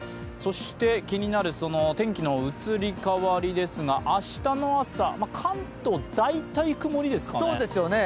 気になる天気の移り変わりですが、明日の朝、関東、大体曇りですかね？